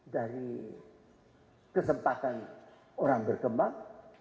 dari kesempatan orang berkembang